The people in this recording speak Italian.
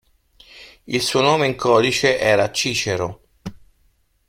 Il suo nome in codice era "Cicero".